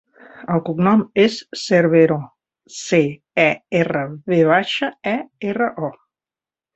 El cognom és Cervero: ce, e, erra, ve baixa, e, erra, o.